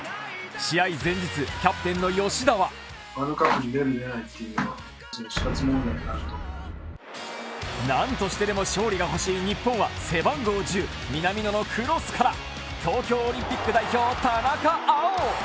試合前日、キャプテンの吉田はなんとしてでも勝利が欲しい日本は背番号１０南野のクロスから東京オリンピック代表・田中碧！